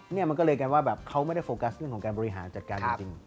นี่มันก็เลยกลายว่าแบบเขาไม่ได้โฟกัสเรื่องของการบริหารจัดการจริง